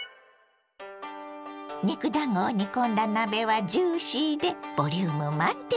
肉だんごを煮込んだ鍋はジューシーでボリューム満点。